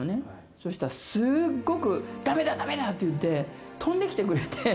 そしたらすっごく、だめだ、だめだって言って飛んできてくれて。